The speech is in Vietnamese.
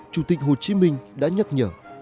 chủ tịch hồ chí minh đã nhắc nhở